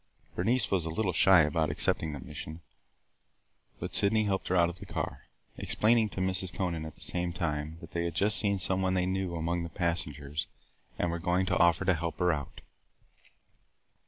Bernice was a little shy about accepting the mission, but Sydney helped her out of the car, explaining to Mrs. Conant at the same time that they had just seen some one they knew among the passengers and were going to offer to help her out.